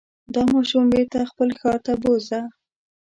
دا ماشوم بېرته خپل ښار ته بوځه.